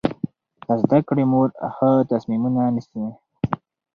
د زده کړې مور ښه تصمیمونه نیسي.